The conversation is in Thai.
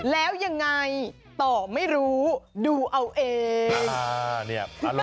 แล้วยังไงต่อไม่รู้ดูเอาเอง